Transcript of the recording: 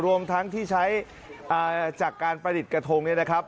รวมทั้งที่ใช้จากการประดิษฐ์กระทงเนี่ยนะครับ